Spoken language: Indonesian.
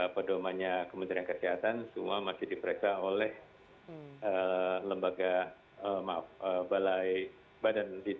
pedomannya kementerian kesehatan semua masih diperiksa oleh lembaga maaf balai badan